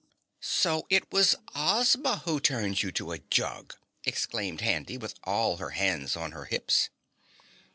"So it was Ozma who turned you to a jug!" exclaimed Handy with all her hands on her hips.